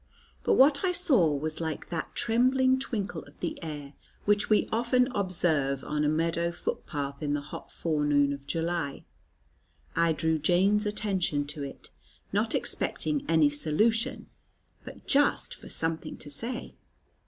But what I saw was like that trembling twinkle of the air, which we often observe on a meadow footpath in the hot forenoon of July. I drew Jane's attention to it, not expecting any solution, but just for something to say.